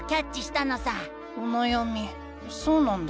おなやみそうなんだ。